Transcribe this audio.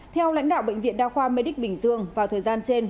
theo lãnh đạo bệnh viện đa khoa medic bình dương vào thời gian trên